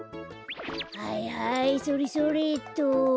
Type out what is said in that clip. はいはいそれそれっと。